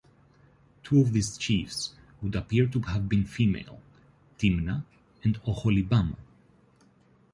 Two of these chiefs would appear to have been female - Timna and Oholibamah.